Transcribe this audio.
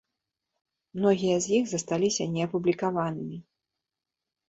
Многія з іх засталіся неапублікаванымі.